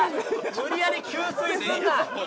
無理やり給水すんな！